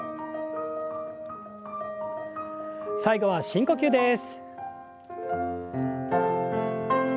最後は深呼吸です。